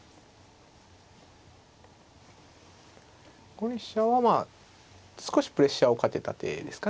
５二飛車はまあ少しプレッシャーをかけた手ですかね。